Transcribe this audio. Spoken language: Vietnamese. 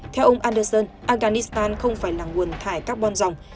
theo ông anderson afghanistan không phải là nguồn thải carbon dòng